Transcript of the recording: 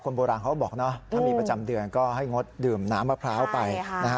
โบราณเขาบอกเนอะถ้ามีประจำเดือนก็ให้งดดื่มน้ำมะพร้าวไปนะฮะ